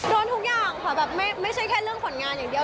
โดนทุกอย่างค่ะแบบไม่ใช่แค่เรื่องผลงานอย่างเดียว